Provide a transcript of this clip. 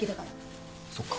そっか。